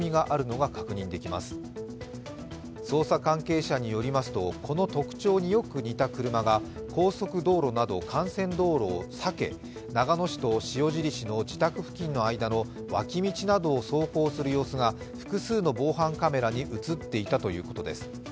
捜査関係者によりますとこの特徴によく似た車が高速道路など幹線道路を避け、長野市と塩尻市の自宅付近の間の脇道などを走行する様子が複数の防犯カメラに映っていたということです。